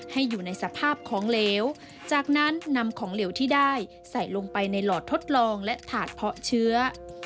อยู่ในสภาพของเหลวจากนั้นนำของเหลวที่ได้ใส่ลงไปในหลอดทดลองและถาดเพาะเชื้อ